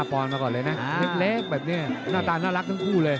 ปอนด์มาก่อนเลยนะเล็กแบบนี้หน้าตาน่ารักทั้งคู่เลย